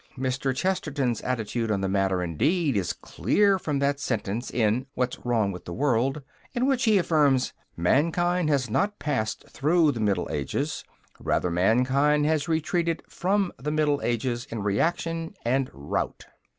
Mr. Chesterton's attitude on the matter, indeed, is clear from that sentence in What's Wrong with the World, in which he affirms: "Mankind has not passed through the Middle Ages. Rather mankind has retreated from the Middle Ages in reaction and rout."